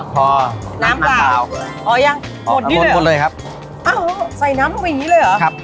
พอน้ำปลาวหมดเลยครับใส่น้ำลงไปอย่างนี้เลยเหรอ